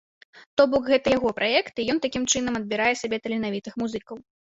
То бок, гэта яго праект і ён такім чынам адбірае сабе таленавітых музыкаў.